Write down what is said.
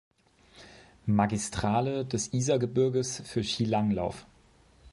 Magistrale des Isergebirges für Skilanglauf.